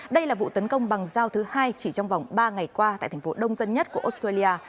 đây là vụ tấn công bằng dao thứ hai chỉ trong vòng ba ngày qua tại thành phố đông dân nhất của australia